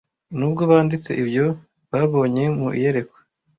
nubwo banditse ibyo babonye mu iyerekwa